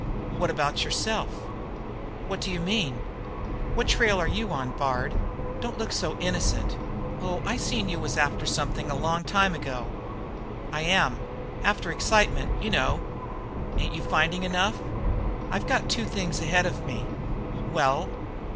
"What about yourself?" "How do you mean that?" "What trail are you on, Bard? Don't look so innocent. Oh, I seen you was after something a long time ago." "I am. After excitement, you know." "Ain't you finding enough?" "I've got two things ahead of me." "Well?"